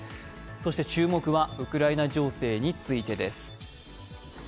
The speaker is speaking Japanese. そして注目はウクライナ情勢についてです。